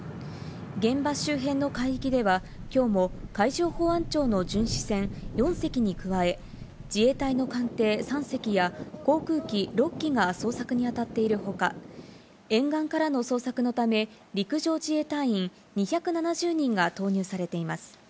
現場周辺の海域では今日も海上保安庁の巡視船４隻に加え、自衛隊の艦艇３隻や航空機６機が捜索に当たっているほか、沿岸からの捜索のため陸上自衛隊員２７０人が投入されています。